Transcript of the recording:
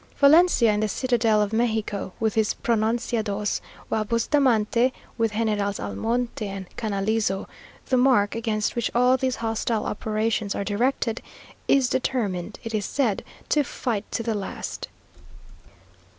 Valencia in the citadel of Mexico with his pronunciados; while Bustamante, with Generals Almonte and Canalizo, the mark against which all these hostile operations are directed, is determined, it is said, to fight to the last.